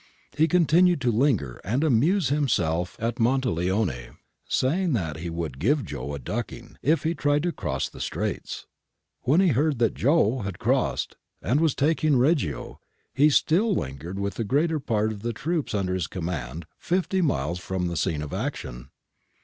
He continued to linger and amuse himself at Monteleone, saying that he ' would give Joe a ducking ' if he tried to cross the Straits. When he heard that 'Joe' had crossed, and was taking Reggio, he still lingered with the greater part of the troops under his command fifty miles from the scene of action.